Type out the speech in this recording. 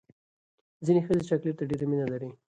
ځینې ښځې چاکلیټ ته ډېره مینه لري.